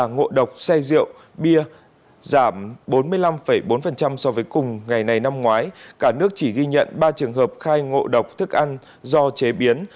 ngộ độc say rượu bia giảm bốn mươi năm bốn so với cùng ngày này năm ngoái cả nước chỉ ghi nhận ba trường hợp khai ngộ độc thức ăn do chế biến